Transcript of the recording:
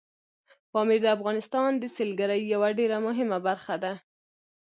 پامیر د افغانستان د سیلګرۍ یوه ډېره مهمه برخه ده.